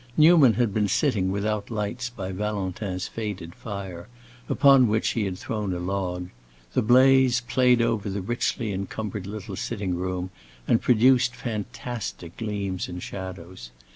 Newman had been sitting without lights by Valentin's faded fire, upon which he had thrown a log; the blaze played over the richly encumbered little sitting room and produced fantastic gleams and shadows.